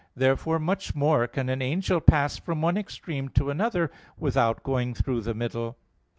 Therefore much more can an angel pass from one extreme to another without going through the middle.